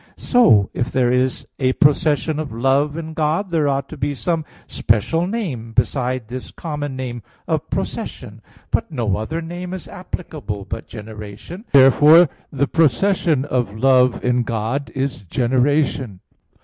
So if there is a procession of love in God, there ought to be some special name besides this common name of procession. But no other name is applicable but generation. Therefore the procession of love in God is generation.